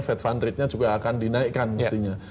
fed fund ratenya juga akan dinaikkan mestinya